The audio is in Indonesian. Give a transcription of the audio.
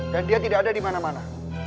dan dia tidak ada di mana mana